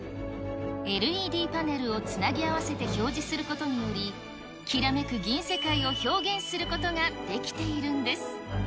ＬＥＤパネルをつなぎ合わせて表示することにより、きらめく銀世界を表現することができているんです。